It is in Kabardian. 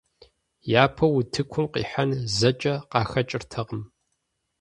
Япэу утыкум къихьэн зэкӀэ къахэкӀыртэкъым.